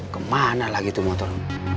kemana lagi tuh motor